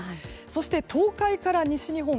そして東海から西日本